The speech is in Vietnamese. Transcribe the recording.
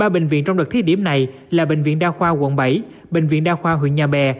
ba bệnh viện trong đợt thí điểm này là bệnh viện đa khoa quận bảy bệnh viện đa khoa huyện nhà bè